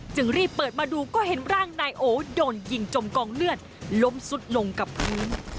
รีบเปิดมาดูก็เห็นร่างนายโอโดนยิงจมกองเลือดล้มสุดลงกับพื้น